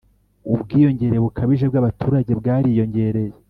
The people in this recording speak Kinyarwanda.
ubwiyongere bukabije bw'abaturage bwariyongereye